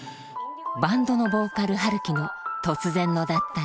バンドのボーカル陽樹の突然の脱退。